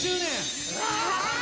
うわ！